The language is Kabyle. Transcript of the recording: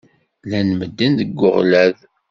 Llan medden deg uɣlad.